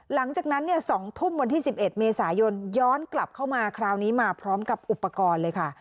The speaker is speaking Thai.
หลังจากนั้นเนี่ย๒ทุ่มวันที่๑๑เมษายนย้อนกลับเข้ามาคราวนี้มาพร้อมกับอุปกรณ์เลยค่ะ